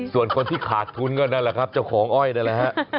ส่วนคนที่ขาดทุนก็นั่นในนะครับจักรของอ้อยนั่นแหละครับ